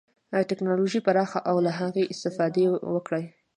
ټکنالوژي پراخه او له هغې استفاده وکړي.